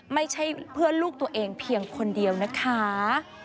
ไม่ใช่เพื่อนลูกตัวเองเพียงคนเดียวนะคะ